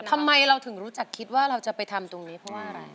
ทำไมเราถึงรู้จักคิดว่าเราจะไปทำตรงนี้เพราะว่าอะไร